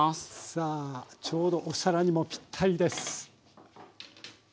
さあちょうどお皿にもピッタリです。